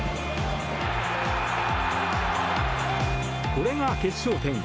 これが決勝点。